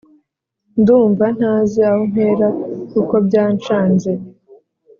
ndumva ntazi aho mpera kuko byancanze